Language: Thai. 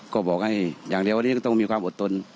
ก็บอกให้อย่างเดียววันนี้ก็ต้องมีความอดทน